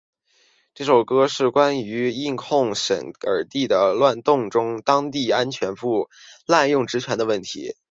这首歌是关于印控克什米尔地区的动乱中当地安全部队滥用职权的问题。